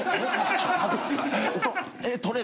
ちょっと待って下さい。